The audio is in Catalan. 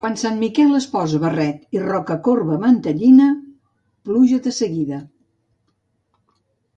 Quan Sant Miquel es posa barret i Rocacorba mantellina, pluja de seguida.